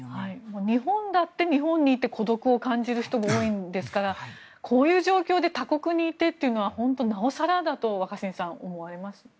日本だって日本にいて孤独を感じる人も多いんですからこういう状況で他国にいてっていうのはなおさらだと若新さん、思いますね。